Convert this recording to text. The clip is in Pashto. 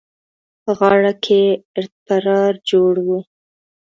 په غاړه کې يې ارت پرار جوړ وو.